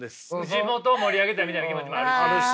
地元を盛り上げたいみたいな気持ちもあるし。